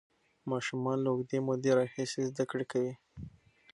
ماشومان له اوږدې مودې راهیسې زده کړه کوي.